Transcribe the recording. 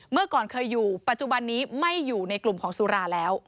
เมื่อก่อนเคยอยู่ปัจจุบันนี้ไม่อยู่ในกลุ่มของสุราแล้ว